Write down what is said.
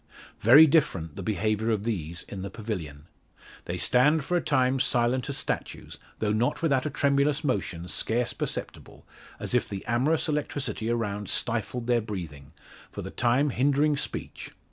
Very different the behaviour of these in the pavilion. They stand for a time silent as statues though not without a tremulous motion, scarce perceptible as if the amorous electricity around stifled their breathing, for the time hindering speech.